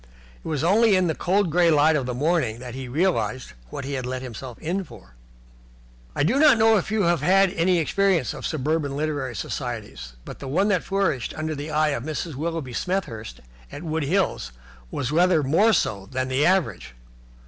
It was only in the cold, grey light of the morning that he realized what he had let himself in for. I do not know if you have had any experience of suburban literary societies, but the one that flourished under the eye of Mrs. Willoughby Smethurst at Wood Hills was rather more so than the average.